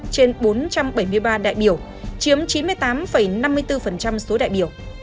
bốn trăm bảy mươi ba trên bốn trăm bảy mươi ba đại biểu chiếm chín mươi tám năm mươi bốn số đại biểu